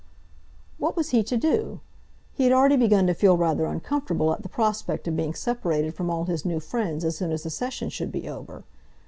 What was he to do? He had already begun to feel rather uncomfortable at the prospect of being separated from all his new friends as soon as the session should be over.